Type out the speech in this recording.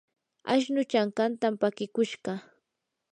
ashnuu chankantam pakikushqa.